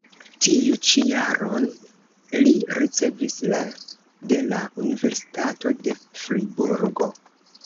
Tiu ĉi jaron li ricevis la de la Universitato de Friburgo.